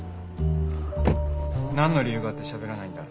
なんの理由があってしゃべらないんだ？